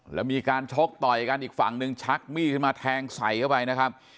แล้วมีการชกต่อยกันอีกฝั่งหนึ่งชักมีดขึ้นมาแทงใส่เข้าไปนะครับ